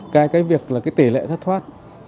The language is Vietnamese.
cái việc là cái tỷ lệ thất thoát